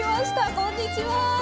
こんにちは。